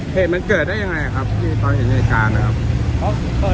เหตุมันเกิดได้ยังไงครับที่ตอนเห็นเหตุการณ์นะครับ